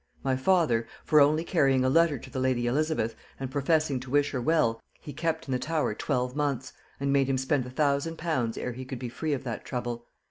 My father, for only carrying a letter to the lady Elizabeth, and professing to wish her well, he kept in the Tower twelve months, and made him spend a thousand pounds ere he could be free of that trouble.